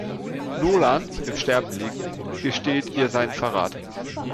Nolan, im Sterben liegend, gesteht ihr seinen Verrat.